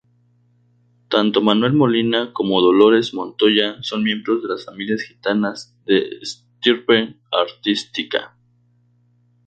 Tanto Manuel Molina como Dolores Montoya son miembros de familias gitanas de estirpe artística.